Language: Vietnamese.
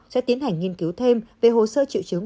sẽ tiến hành nghiên cứu thêm về hồ sơ triệu chứng